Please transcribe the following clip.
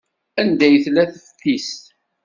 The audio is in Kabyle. Anda ay tella teftist?